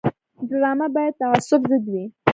ډرامه باید د تعصب ضد وي